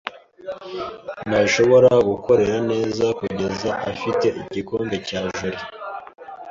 Ntashobora gukora neza kugeza afite igikombe cya joe.